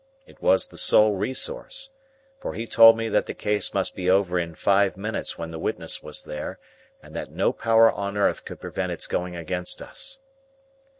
It was the sole resource; for he told me that the case must be over in five minutes when the witness was there, and that no power on earth could prevent its going against us.